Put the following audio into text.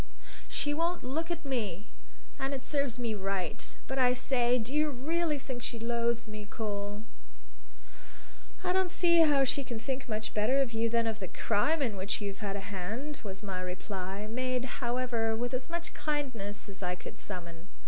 So she won't look at me. And it serves me right. But I say do you really think she loathes me, Cole?" "I don't see how she can think much better of you than of the crime in which you've had a hand," was my reply, made, however, with as much kindness as I could summon.